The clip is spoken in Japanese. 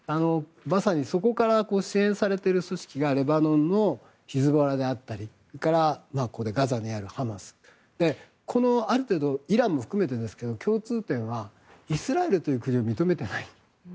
そこから支援されている組織がレバノンのヒズボラであったりガザにあるハマスある程度イランも含めて共通点はイスラエルという国を認めていない。